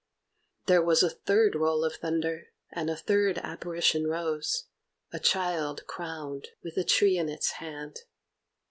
There was a third roll of thunder, and a third Apparition rose a Child crowned, with a tree in its hand.